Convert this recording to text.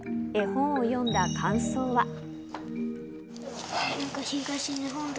絵本を読んだ感想は。